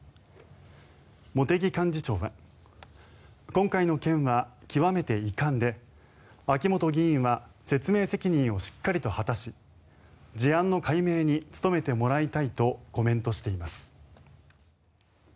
茂木幹事長は今回の件は極めて遺憾で秋本議員は説明責任をしっかりと果たし事案の解明に努めてもらいたいとコメントしています。